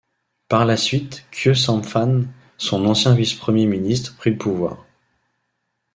Par la suite, Khieu Samphân, son ancien vice-premier ministre, prit le pouvoir.